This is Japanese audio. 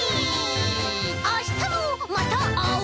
あしたもまたあおう！